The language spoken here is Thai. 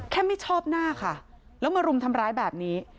ไม่ชอบหน้าค่ะแล้วมารุมทำร้ายแบบนี้